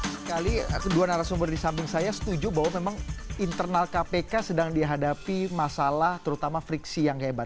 sekali kedua narasumber di samping saya setuju bahwa memang internal kpk sedang dihadapi masalah terutama friksi yang hebat